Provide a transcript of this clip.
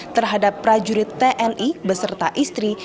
terhadap prajurit tni beserta istri